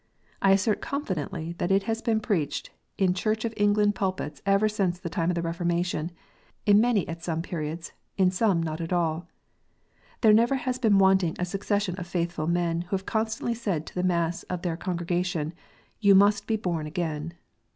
I assert confidently that it has been preached in Church of England pulpits ever since the time of the Reformation, in many at some periods, in some at all. There never has been wanting a succession of faithful men, who have constantly said to the mass of their congregation, " Ye must be born again."